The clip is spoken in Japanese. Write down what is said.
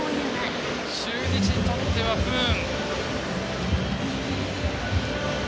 中日にとっては不運。